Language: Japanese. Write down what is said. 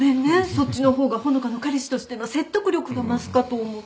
そっちの方が穂香の彼氏としての説得力が増すかと思って。